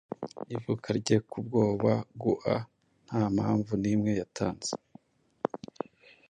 Ivuka rye kubwoba gua ntampamvu nimwe yatanze,